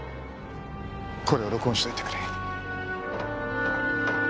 これを録音しておいてくれ。